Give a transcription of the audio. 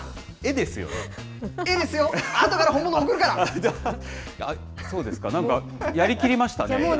絵ですよ、あとから本物おくそうですか、なんかやりきりましたね。